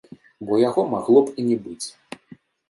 Бо яго магло б і не быць.